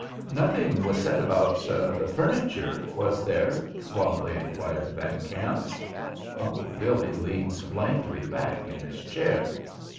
"Nothing was said about the furniture, was there?" suavely inquired Van Kamp. Uncle Billy leaned blankly back in his chair.